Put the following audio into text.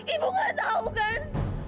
ibu gak tau kan